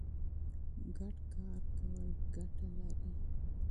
ګډ کار کول ګټه لري.